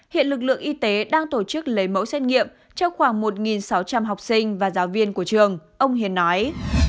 hiện lực lượng y tế đang tổ chức lấy mẫu xét nghiệm cho khoảng một sáu trăm linh học sinh và giáo viên của trường ông hiền nói